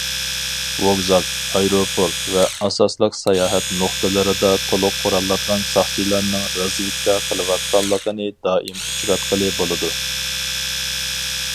ۋوگزال، ئايروپورت ۋە ئاساسلىق ساياھەت نۇقتىلىرىدا تولۇق قوراللانغان ساقچىلارنىڭ رازۋېدكا قىلىۋاتقانلىقىنى دائىم ئۇچراتقىلى بولىدۇ.